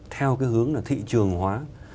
theo cái hướng là thị trường hóa